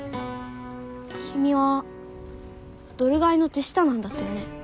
君はドル買いの手下なんだってね。